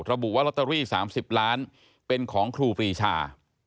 ระบุว่าลอตเตอรี่๓๐ล้านเป็นของครูปรีชา